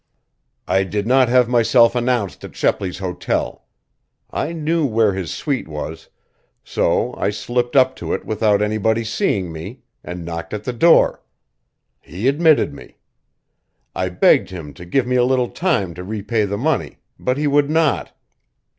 "I did not have myself announced at Shepley's hotel. I knew where his suite was, so I slipped up to it without anybody seeing me, and knocked at the door. He admitted me. I begged him to give me a little time to repay the money, but he would not.